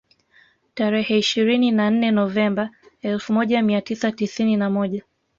Tarehe ishirini na nne Novemba elfu moja mia tisa tisini na moja